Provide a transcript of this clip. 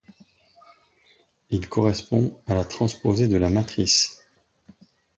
Il correspond à la transposée de la matrice.